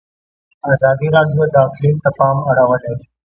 ازادي راډیو د اقلیم ته پام اړولی.